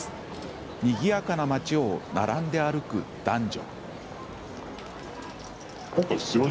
にぎやかな街を並んで歩く男女。